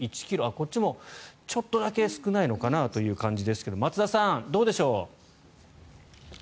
こっちもちょっとだけ少ないのかなという感じですが松田さん、どうでしょう？